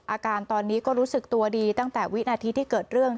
อาการตอนนี้ก็รู้สึกตัวดีตั้งแต่วินาทีที่เกิดเรื่อง